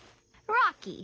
ロッキー。